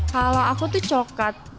kalau aku tuh coklat